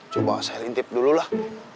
coba saya lintip dulu lah